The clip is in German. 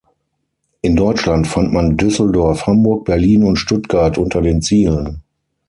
In Deutschland fand man Düsseldorf, Hamburg, Berlin und Stuttgart unter den Zielen.